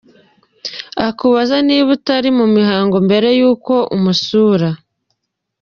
Akubaza niba utari mu mihango mbere y’uko umusura.